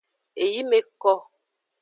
Eyi me ko.